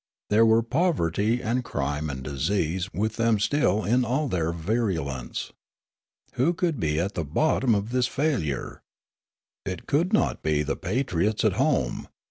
There were poverty and crime and disease with them 2o8 Riallaro still in all their virulence. Who could be at the bot tom of this failure ? It could not be the patriots at home.